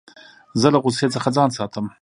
زه له غوسې څخه ځان ساتم.